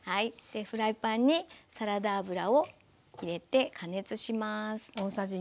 フライパンにサラダ油を入れて加熱します。